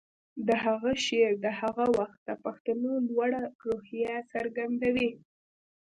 د هغه شعر د هغه وخت د پښتنو لوړه روحیه څرګندوي